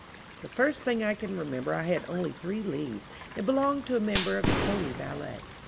The first thing I can remember I had only three leaves and belonged to a member of the pony ballet.